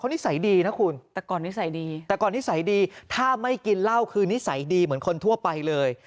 นิสัยดีนะคุณแต่ก่อนนิสัยดีแต่ก่อนนิสัยดีถ้าไม่กินเหล้าคือนิสัยดีเหมือนคนทั่วไปเลย